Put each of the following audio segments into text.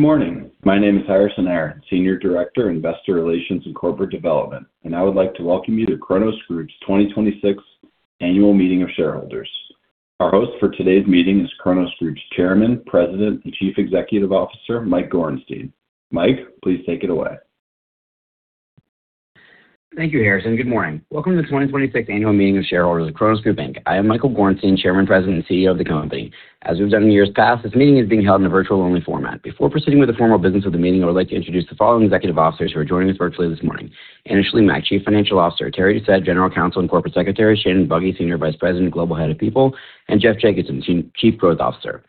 Good morning. My name is Harrison Aaron, Senior Director, Investor Relations and Corporate Development, and I would like to welcome you to Cronos Group's 2026 Annual Meeting of Shareholders. Our host for today's meeting is Cronos Group's Chairman, President and Chief Executive Officer, Mike Gorenstein. Mike, please take it away. Thank you, Harrison. Good morning. Welcome to the 2026 Annual Meeting of Shareholders of Cronos Group Inc. I am Michael Gorenstein, Chairman, President, and CEO of the company. As we've done in years past, this meeting is being held in a virtual-only format. Before proceeding with the formal business of the meeting, I would like to introduce the following executive officers who are joining us virtually this morning. Anna Shlimak, Chief Financial Officer, Terry Doucet, General Counsel and Corporate Secretary, Shannon Buggy, Senior Vice President and Global Head of People, and Jeff Jacobson, Chief Growth Officer.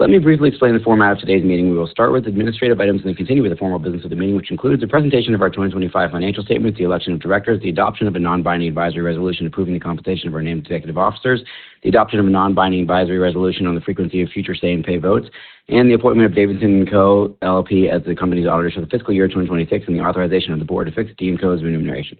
Let me briefly explain the format of today's meeting. We will start with administrative items. Then continue with the formal business of the meeting, which includes a presentation of our 2025 financial statements, the election of directors, the adoption of a non-binding advisory resolution approving the compensation of our named executive officers, the adoption of a non-binding advisory resolution on the frequency of future say-on-pay votes, the appointment of Davidson & Co. LLP as the company's auditors for the fiscal year 2026, and the authorization of the board to fix D&Co's remuneration.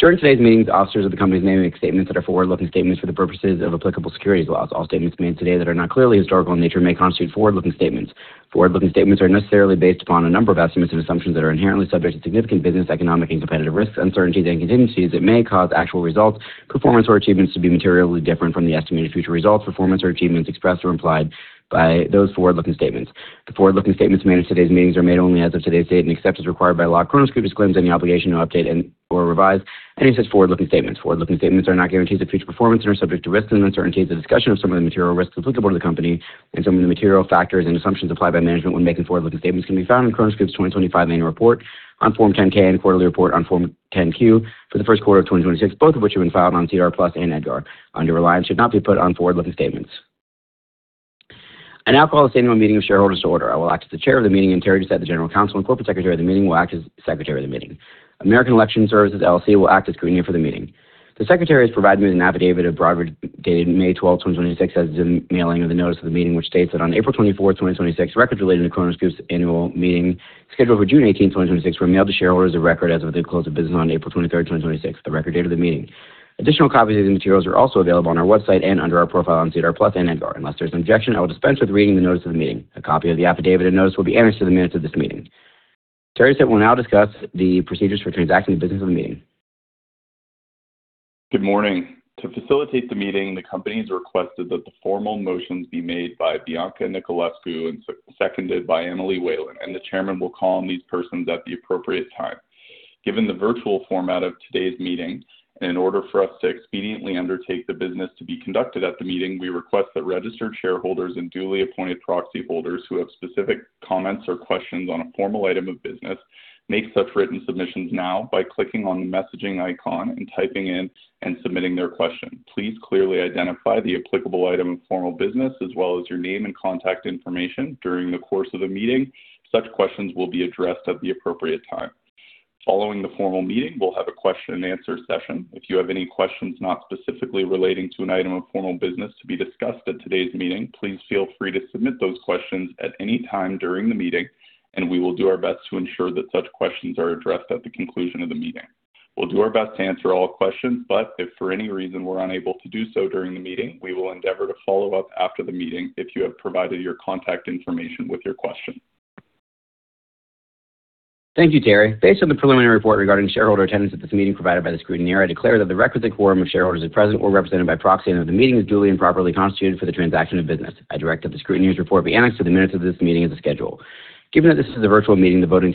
During today's meeting, the officers of the company may make statements that are forward-looking statements for the purposes of applicable securities laws. All statements made today that are not clearly historical in nature may constitute forward-looking statements. Forward-looking statements are necessarily based upon a number of estimates and assumptions that are inherently subject to significant business, economic and competitive risks, uncertainties and contingencies that may cause actual results, performance, or achievements to be materially different from the estimated future results, performance, or achievements expressed or implied by those forward-looking statements. The forward-looking statements made at today's meeting are made only as of today's date. Except as required by law, Cronos Group disclaims any obligation to update or revise any of these forward-looking statements. Forward-looking statements are not guarantees of future performance and are subject to risks and uncertainties. A discussion of some of the material risks that apply to the company and some of the material factors and assumptions applied by management when making forward-looking statements can be found in Cronos Group's 2025 Annual Report on Form 10-K and Quarterly Report on Form 10-Q for the first quarter of 2026, both of which have been filed on SEDAR+ and EDGAR. Undue reliance should not be put on forward-looking statements. I now call the Annual Meeting of Shareholders to order. I will act as the chair of the meeting, and Terry Doucet, the General Counsel and Corporate Secretary of the meeting, will act as Secretary of the meeting. American Election Services, LLC will act as scrutineer for the meeting. The Secretary has provided me with an affidavit of Broadridge dated May 12th, 2026, as the mailing of the notice of the meeting, which states that on April 24th, 2026, records relating to Cronos Group's annual meeting, scheduled for June 18th, 2026, were mailed to shareholders of record as of the close of business on April 23rd, 2026, the record date of the meeting. Additional copies of these materials are also available on our website and under our profile on SEDAR+ and EDGAR. Unless there's an objection, I will dispense with reading the notice of the meeting. A copy of the affidavit of notice will be annexed to the minutes of this meeting. Terry Doucet will now discuss the procedures for transacting the business of the meeting. Good morning. To facilitate the meeting, the company's requested that the formal motions be made by Bianca Nicolescu and seconded by Emily Whelan, the Chairman will call on these persons at the appropriate time. Given the virtual format of today's meeting, in order for us to expediently undertake the business to be conducted at the meeting, we request that registered shareholders and duly appointed proxy holders who have specific comments or questions on a formal item of business make such written submissions now by clicking on the messaging icon and typing in and submitting their question. Please clearly identify the applicable item of formal business as well as your name and contact information. During the course of the meeting, such questions will be addressed at the appropriate time. Following the formal meeting, we'll have a question and answer session. If you have any questions not specifically relating to an item of formal business to be discussed at today's meeting, please feel free to submit those questions at any time during the meeting, we will do our best to ensure that such questions are addressed at the conclusion of the meeting. We'll do our best to answer all questions, if for any reason we're unable to do so during the meeting, we will endeavor to follow up after the meeting if you have provided your contact information with your question. Thank you, Terry. Based on the preliminary report regarding shareholder attendance at this meeting provided by the scrutineer, I declare that the requisite quorum of shareholders are present or represented by proxy, and that the meeting is duly and properly constituted for the transaction of business. I direct that the scrutineer's report be annexed to the minutes of this meeting as a schedule. Given that this is a virtual meeting, voting in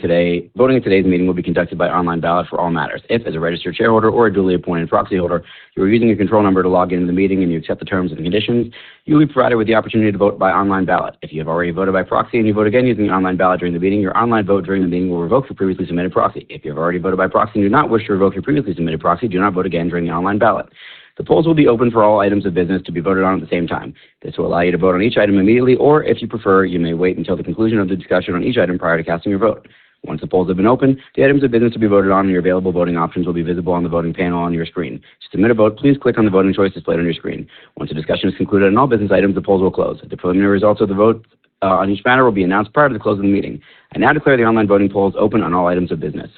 today's meeting will be conducted by online ballot for all matters. If, as a registered shareholder or a duly appointed proxy holder, you are using your control number to log into the meeting and you accept the terms and conditions, you will be provided with the opportunity to vote by online ballot. If you have already voted by proxy and you vote again using the online ballot during the meeting, your online vote during the meeting will revoke your previously submitted proxy. If you have already voted by proxy and do not wish to revoke your previously submitted proxy, do not vote again during the online ballot. The polls will be open for all items of business to be voted on at the same time. This will allow you to vote on each item immediately, or if you prefer, you may wait until the conclusion of the discussion on each item prior to casting your vote. Once the polls have been opened, the items of business to be voted on and your available voting options will be visible on the voting panel on your screen. To submit a vote, please click on the voting choice displayed on your screen. Once the discussion is concluded on all business items, the polls will close. The preliminary results of the vote on each matter will be announced prior to the close of the meeting. I now declare the online voting polls open on all items of business.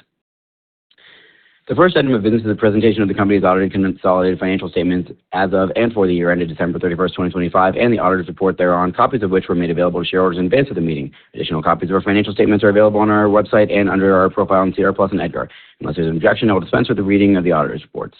The first item of business is the presentation of the company's audited and consolidated financial statements as of and for the year ended December 31st, 2025, and the auditor's report thereon, copies of which were made available to shareholders in advance of the meeting. Additional copies of our financial statements are available on our website and under our profile on SEDAR+ and EDGAR. Unless there's an objection, I will dispense with the reading of the auditor's reports.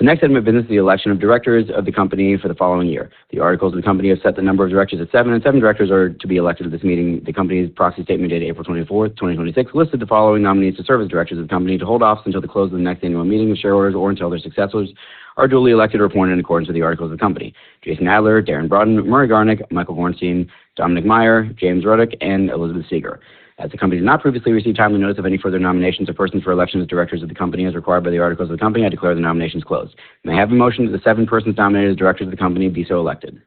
The next item of business is the election of directors of the company for the following year. The articles of the company have set the number of directors at seven, and seven directors are to be elected at this meeting. The company's proxy statement dated April 24th, 2026, listed the following nominees to serve as directors of the company to hold office until the close of the next annual meeting of shareholders or until their successors are duly elected or appointed in accordance with the articles of the company. Jason Adler, Darren Broughton, Murray Garnick, Mike Gorenstein, Dominik Meier, James Rudyk, and Elizabeth Seegar. As the company has not previously received timely notice of any further nominations of persons for election as directors of the company as required by the articles of the company, I declare the nominations closed. May I have a motion that the seven persons nominated as directors of the company be so elected?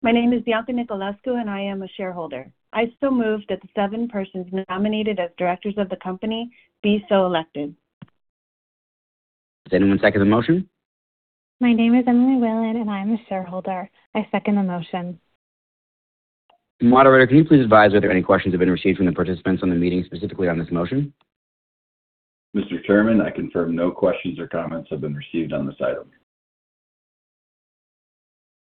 My name is Bianca Nicolescu and I am a shareholder. I so move that the seven persons nominated as directors of the company be so elected. Does anyone second the motion? My name is Emily Whelan and I am a shareholder. I second the motion. Moderator, can you please advise whether any questions have been received from the participants on the meeting, specifically on this motion? Mr. Chairman, I confirm no questions or comments have been received on this item.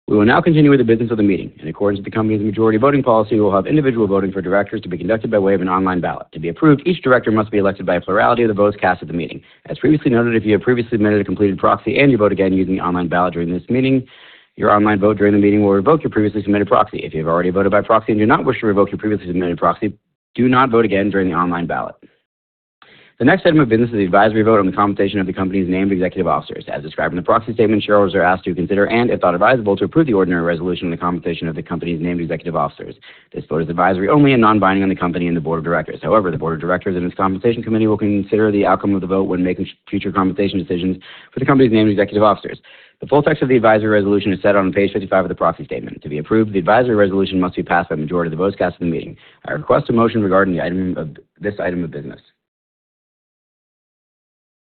We will now continue with the business of the meeting. In accordance with the company's majority voting policy, we will have individual voting for directors to be conducted by way of an online ballot. To be approved, each director must be elected by a plurality of the votes cast at the meeting. As previously noted, if you have previously submitted a completed proxy and you vote again using the online ballot during this meeting, your online vote during the meeting will revoke your previously submitted proxy. If you have already voted by proxy and do not wish to revoke your previously submitted proxy, do not vote again during the online ballot. The next item of business is the advisory vote on the compensation of the company's named executive officers. As described in the proxy statement, shareholders are asked to consider, and if thought advisable, to approve the ordinary resolution on the compensation of the company's named executive officers. This vote is advisory only and non-binding on the company and the board of directors. However, the Board of Directors and its compensation committee will consider the outcome of the vote when making future compensation decisions for the company's named executive officers. The full text of the advisory resolution is set on page 55 of the proxy statement. To be approved, the advisory resolution must be passed by a majority of the votes cast at the meeting. I request a motion regarding this item of business.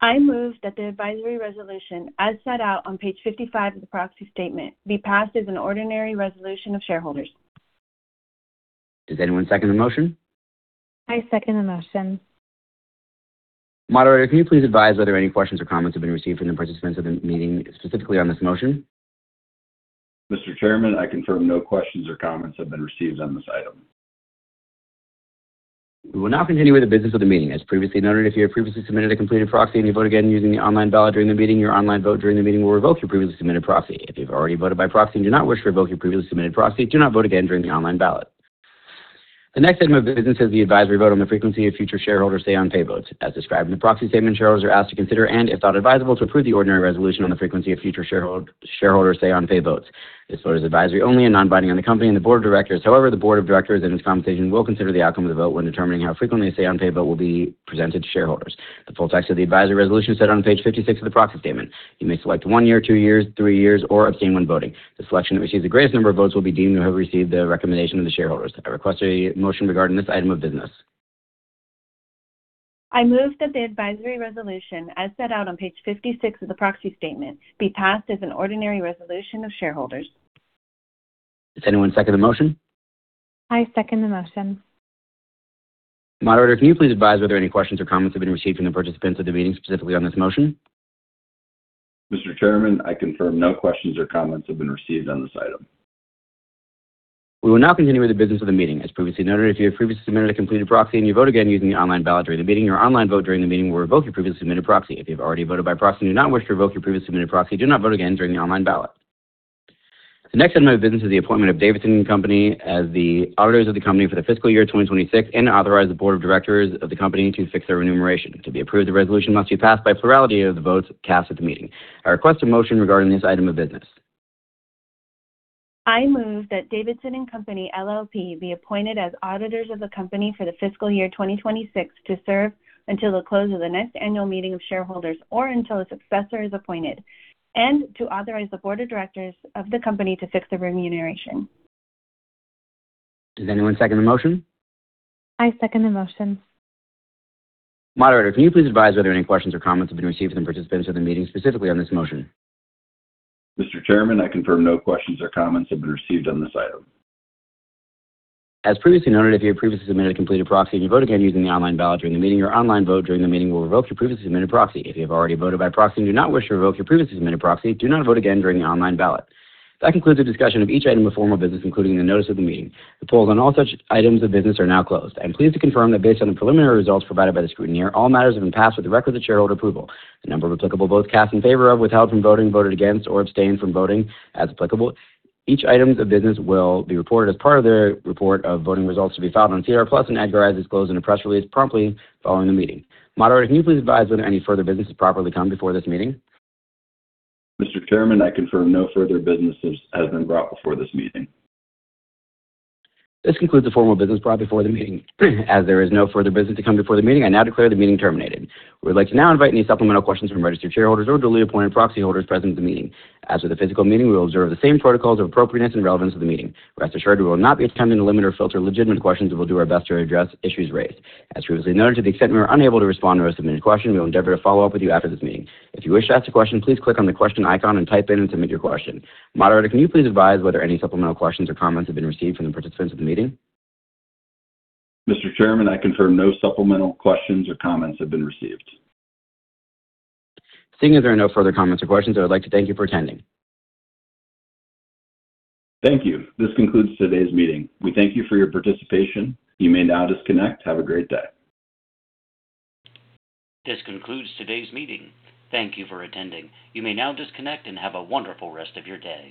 I move that the advisory resolution, as set out on page 55 of the proxy statement, be passed as an ordinary resolution of shareholders. Does anyone second the motion? I second the motion. Moderator, can you please advise whether any questions or comments have been received from the participants of the meeting, specifically on this motion? Mr. Chairman, I confirm no questions or comments have been received on this item. We will now continue with the business of the meeting. As previously noted, if you have previously submitted a completed proxy and you vote again using the online ballot during the meeting, your online vote during the meeting will revoke your previously submitted proxy. If you've already voted by proxy and do not wish to revoke your previously submitted proxy, do not vote again during the online ballot. The next item of business is the advisory vote on the frequency of future shareholder say-on-pay votes. As described in the proxy statement, shareholders are asked to consider, and if thought advisable, to approve the ordinary resolution on the frequency of future shareholder say-on-pay votes. This vote is advisory only and non-binding on the Company and the Board of Directors. The Board of Directors and its compensation will consider the outcome of the vote when determining how frequently a say-on-pay vote will be presented to shareholders. The full text of the advisory resolution is set on page 56 of the proxy statement. You may select one year, two years, three years, or abstain when voting. The selection that receives the greatest number of votes will be deemed to have received the recommendation of the shareholders. I request a motion regarding this item of business. I move that the advisory resolution, as set out on page 56 of the proxy statement, be passed as an ordinary resolution of shareholders. Does anyone second the motion? I second the motion. Moderator, can you please advise whether any questions or comments have been received from the participants of the meeting, specifically on this motion? Mr. Chairman, I confirm no questions or comments have been received on this item. We will now continue with the business of the meeting. As previously noted, if you have previously submitted a completed proxy and you vote again using the online ballot during the meeting, your online vote during the meeting will revoke your previously submitted proxy. If you've already voted by proxy and do not wish to revoke your previously submitted proxy, do not vote again during the online ballot. The next item of business is the appointment of Davidson & Company as the auditors of the company for the fiscal year 2026 and authorize the Board of Directors of the company to fix their remuneration. To be approved, the resolution must be passed by a plurality of the votes cast at the meeting. I request a motion regarding this item of business. I move that Davidson & Company LLP be appointed as auditors of the company for the fiscal year 2026 to serve until the close of the next Annual Meeting of Shareholders or until a successor is appointed, and to authorize the Board of Directors of the company to fix their remuneration. Does anyone second the motion? I second the motion. Moderator, can you please advise whether any questions or comments have been received from participants of the meeting, specifically on this motion? Mr. Chairman, I confirm no questions or comments have been received on this item. As previously noted, if you have previously submitted a completed proxy and you vote again using the online ballot during the meeting, your online vote during the meeting will revoke your previously submitted proxy. If you have already voted by proxy and do not wish to revoke your previously submitted proxy, do not vote again during the online ballot. That concludes the discussion of each item of formal business, including the notice of the meeting. The polls on all such items of business are now closed. I am pleased to confirm that based on the preliminary results provided by the scrutineer, all matters have been passed with the requisite shareholder approval. The number of applicable votes cast in favor of, withheld from voting, voted against, or abstained from voting, as applicable, each item of business will be reported as part of the report of voting results to be filed on SEDAR+ and advertised as closed in a press release promptly following the meeting. Moderator, can you please advise whether any further business is properly come before this meeting? Mr. Chairman, I confirm no further business has been brought before this meeting. This concludes the formal business brought before the meeting. As there is no further business to come before the meeting, I now declare the meeting terminated. We would like to now invite any supplemental questions from registered shareholders or duly appointed proxy holders present at the meeting. As with the physical meeting, we will observe the same protocols of appropriateness and relevance of the meeting. Rest assured, we will not be attempting to limit or filter legitimate questions, and we'll do our best to address issues raised. As previously noted, to the extent we are unable to respond to a submitted question, we will endeavor to follow up with you after this meeting. If you wish to ask a question, please click on the question icon and type in and submit your question. Moderator, can you please advise whether any supplemental questions or comments have been received from the participants of the meeting? Mr. Chairman, I confirm no supplemental questions or comments have been received. Seeing as there are no further comments or questions, I would like to thank you for attending. Thank you. This concludes today's meeting. We thank you for your participation. You may now disconnect. Have a great day. This concludes today's meeting. Thank you for attending. You may now disconnect and have a wonderful rest of your day.